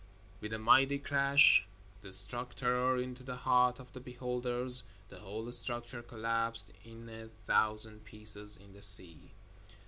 With a mighty crash, that struck terror into the hearts of the beholders, the whole structure collapsed in a thousand pieces in the sea.